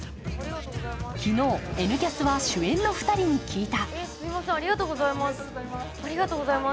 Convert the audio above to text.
昨日、「Ｎキャス」は主演の２人に聞いた。